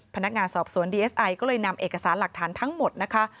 พนักงานสอบสวนดีเอสไอก็เลยนำเอกสารหลักฐานทั้งหมดนะคะ